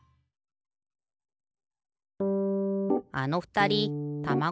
あのふたりたまご